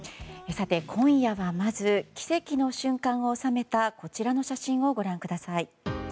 今夜はまず、奇跡の瞬間を収めたこちらの写真をご覧ください。